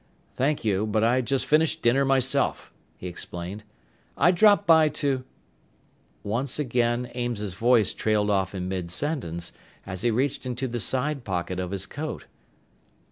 "Thank you, but I just finished dinner myself," he explained. "I dropped by to " Once again Ames's voice trailed off in midsentence, as he reached into the side pocket of his coat.